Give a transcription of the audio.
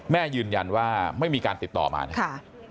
แม่ยืนยันว่าไม่มีการติดต่อมานะครับ